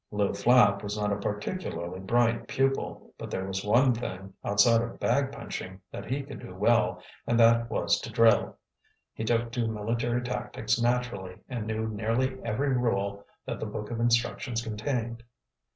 Lew Flapp was not a particularly bright pupil, but there was one thing, outside of bag punching, that he could do well, and that was to drill. He took to military tactics naturally, and knew nearly every rule that the book of instructions contained.